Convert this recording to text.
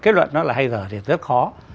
kết luận nó là hay dở thì rất khó